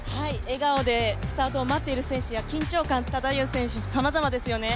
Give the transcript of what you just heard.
笑顔でスタートを待っている選手や緊張感漂う選手、さまざまですよね